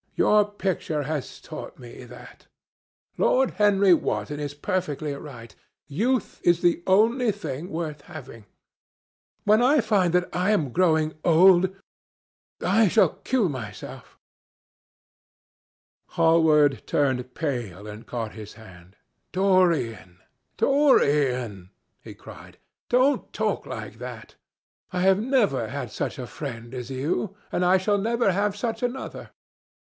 Your picture has taught me that. Lord Henry Wotton is perfectly right. Youth is the only thing worth having. When I find that I am growing old, I shall kill myself." Hallward turned pale and caught his hand. "Dorian! Dorian!" he cried, "don't talk like that. I have never had such a friend as you, and I shall never have such another.